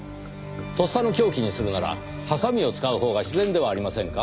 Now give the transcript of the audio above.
とっさの凶器にするならハサミを使うほうが自然ではありませんか？